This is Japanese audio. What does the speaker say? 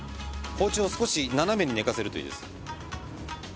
包丁を少し斜めに寝かせるといいです。